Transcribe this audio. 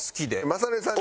雅紀さん